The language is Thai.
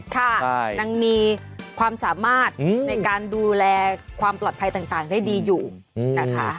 ค่ะยังมีความสามารถในการดูแลความปลอดภัยต่างได้ดีอยู่นะคะ